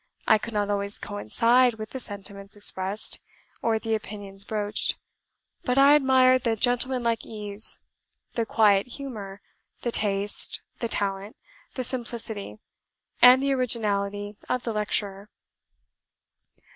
I could not always coincide with the sentiments expressed, or the opinions broached; but I admired the gentlemanlike ease, the quiet humour, the taste, the talent, the simplicity, and the originality of the lecturer.